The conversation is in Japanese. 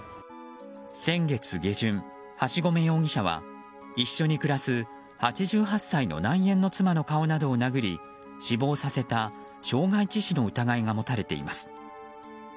先月下旬、枦込容疑者は一緒に暮らす８８歳の内縁の妻の顔などを殴り死亡させた傷害致死の疑いが持たれています。